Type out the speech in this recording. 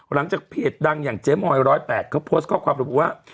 หลังจากเพจดังอย่างเจมส์ออยร้อยแปดเขาโพสต์ข้อความรู้ว่า